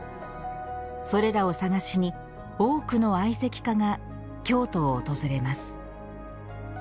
それらを探しに多くの愛石家が京都を訪れます。